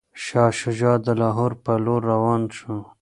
شاه شجاع د لاهور په لور روان شو.